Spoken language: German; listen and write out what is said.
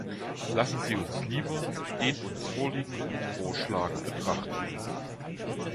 Lassen Sie uns lieber den uns vorliegenden Vorschlag betrachten.